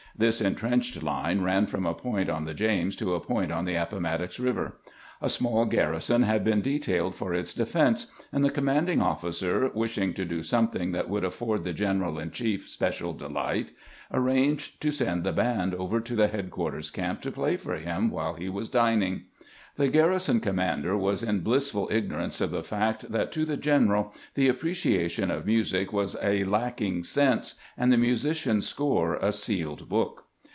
This intrenched line ran from a point on the James to a point on the Appomattox River. A small garrison had been detailed for its defense, and the commanding of&cer, wishing to do something that would afford the general in chief special delight, arranged to send the band over to the headquarters camp to play for him while he was dining. The garrison commander was in blissful igno rance of the fact that to the general the appreciation of music was a lacking sense and the musician's score a sealed book.